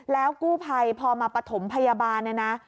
แล้วกู้ภัยพอมาประถมพยาบาล